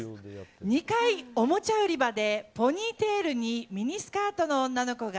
２階おもちゃ売り場でポニーテールにミニスカートの女の子が。